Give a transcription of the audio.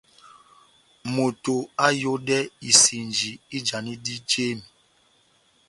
Moto aháyodɛ isinji ijanidi jémi.